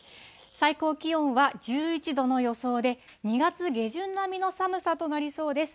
最高気温は１１度の予想で、２月下旬並みの寒さとなりそうです。